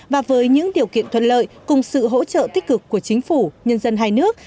và với những điều kiện thuận lợi cùng sự hỗ trợ tích cực của chính phủ nhân dân hai nước